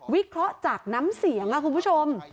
วิเคราะห์จากน้ำเสียงค่ะคุณผู้ชม